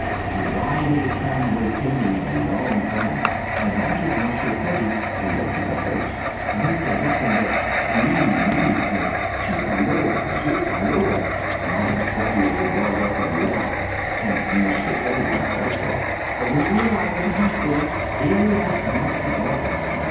We ride in the tramway pending a long time and I give Monsieur Teddy a lesson of French, and he say nothing but, oui, oui and chic alors zut alors! And all the travelers regard us and laugh and Monsieur Teddy laugh also. But when we arrive at the hospital he laugh not at all.